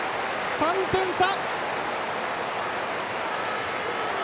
３点差！